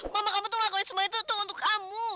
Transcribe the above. mama kamu tuh ngakuin semua itu untuk kamu